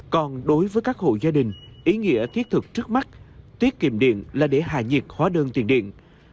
còn đối với các hộ gia đình ý nghĩa thiết thực trước mắt tiết kiệm điện là để hạ nhiệt hóa đơn tiền điện